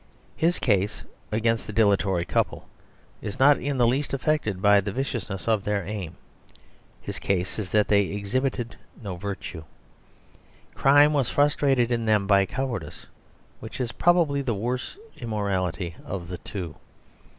His case against the dilatory couple is not in the least affected by the viciousness of their aim. His case is that they exhibited no virtue. Crime was frustrated in them by cowardice, which is probably the worse immorality of the two.